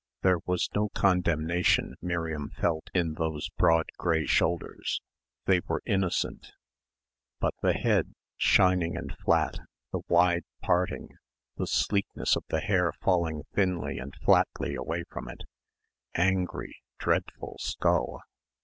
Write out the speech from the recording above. There was no condemnation Miriam felt in those broad grey shoulders they were innocent. But the head shining and flat, the wide parting, the sleekness of the hair falling thinly and flatly away from it angry, dreadful skull.